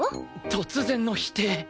突然の否定。